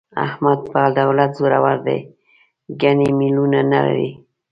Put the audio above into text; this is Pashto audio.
احمد په دولت زورو دی، ګني مېړونه نه لري.